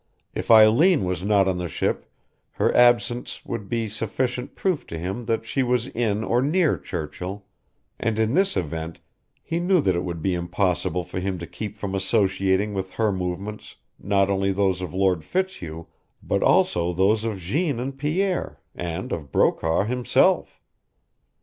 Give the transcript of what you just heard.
If Eileen was not on the ship her absence would be sufficient proof to him that she was in or near Churchill, and in this event he knew that it would be impossible for him to keep from associating with her movements not only those of Lord Fitzhugh, but also those of Jeanne and Pierre and of Brokaw himself.